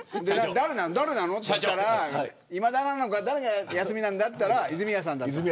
誰なのと聞いたら、今田なのか誰が休みなんだと聞いたら泉谷さんだと。